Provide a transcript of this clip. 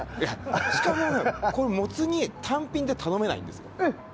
しかも、モツ煮単品で頼めないんですよ。